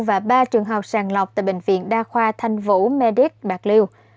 và ba trường hợp sàng lọc tại bệnh viện đa khoa thanh vũ